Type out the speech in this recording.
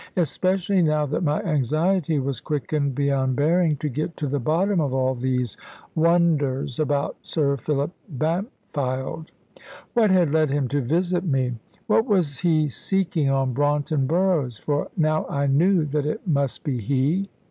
especially now that my anxiety was quickened beyond bearing to get to the bottom of all these wonders about Sir Philip Bampfylde. What had led him to visit me? What was he seeking on Braunton Burrows for now I knew that it must be he?